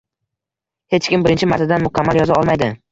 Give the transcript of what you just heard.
Hech kim birinchi martadan mukammal yoza olmaydi